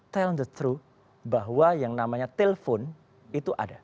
tell the truth bahwa yang namanya telepon itu ada